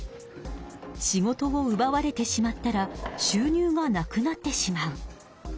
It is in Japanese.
「仕事をうばわれてしまったらしゅう入がなくなってしまう」。